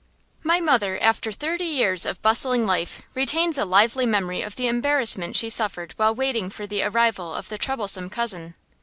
My mother, after thirty years of bustling life, retains a lively memory of the embarrassment she suffered while waiting for the arrival of the troublesome cousin.